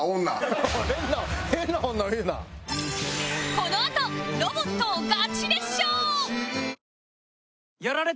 このあと『ロボット』をガチ熱唱！